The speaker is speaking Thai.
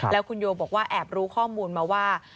แล้วคุณโยบอกว่าแอบรู้ข้อมูลมาว่า